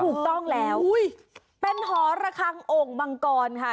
ถูกต้องแล้วเป็นหอระคังโอ่งมังกรค่ะ